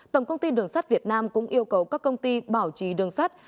tổng công ty đường sắt việt nam cũng yêu cầu các công ty bảo trì đường sắt